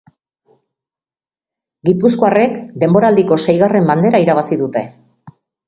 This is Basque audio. Gipuzkoarrek denboraldiko seigarren bandera irabazi dute.